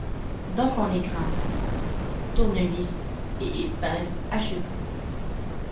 Dans son écrin, tournevis et épingle à cheveux.